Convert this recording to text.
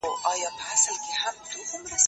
زه مخکي سبا ته فکر کړی و،